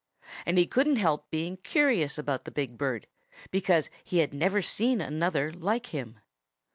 And he couldn't help being curious about the big bird, because he had never seen another like him.